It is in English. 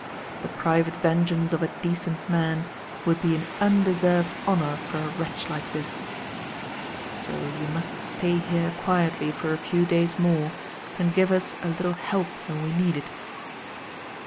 The private vengeance of a decent man would be an undeserved honour for a wretch like this. So you must stay here quietly for a few days more and give us a little help when we need it."